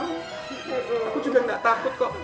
aku juga nggak takut kok